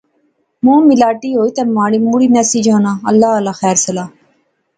مونہہ میلاٹی ہوئی تہ مڑی نسی جانا، اللہ اللہ خیر سلا